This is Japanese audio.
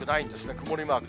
曇りマーク。